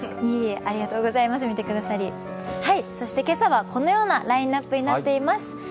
今朝はこのようなラインナップになっています。